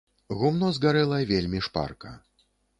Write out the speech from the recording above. Гумно згарэла вельмі шпарка.